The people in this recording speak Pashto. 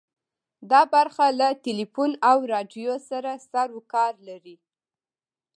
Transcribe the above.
دا برخه له ټلیفون او راډیو سره سروکار لري.